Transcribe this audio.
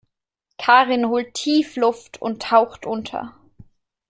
Karin holt tief Luft und taucht unter.